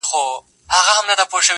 لكه گلاب چي سمال ووهي ويده سمه زه.